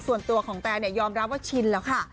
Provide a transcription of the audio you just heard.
ส่วนตัวของแตนยอมรับว่าชินแล้วค่ะ